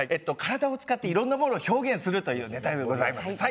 体を使っていろんなものを表現するというネタでございます。